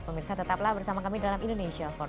pemirsa tetaplah bersama kami dalam indonesia forward